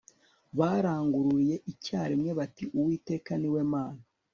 Barangururiye icyarimwe bati Uwiteka ni we Mana